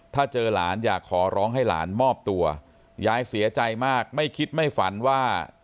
ถ้าเจอหลานอยากขอร้องให้หลานมอบตัวยายเสียใจมากไม่คิดไม่ฝันว่า